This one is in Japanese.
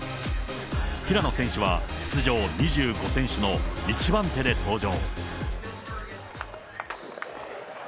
平野選手は、出場２５選手の１番手で登場。